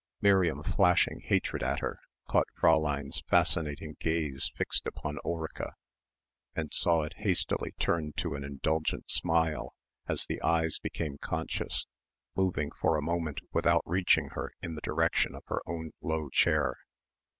Miriam, flashing hatred at her, caught Fräulein's fascinated gaze fixed on Ulrica; and saw it hastily turn to an indulgent smile as the eyes became conscious, moving for a moment without reaching her in the direction of her own low chair.